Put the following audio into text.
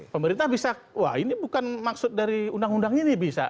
pemerintah bisa wah ini bukan maksud dari undang undang ini bisa